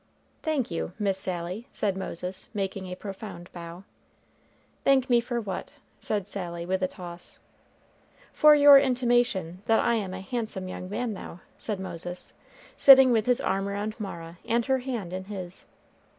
"Thank you, Miss Sally!" said Moses, making a profound bow. "Thank me for what?" said Sally, with a toss. "For your intimation that I am a handsome young man now," said Moses, sitting with his arm around Mara, and her hand in his.